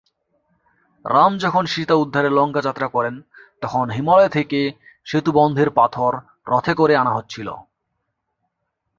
রাম যখন সীতা উদ্ধারে লঙ্কা যাত্রা করেন তখন হিমালয় থেকে সেতু বন্ধের পাথর রথে করে আনা হচ্ছিল।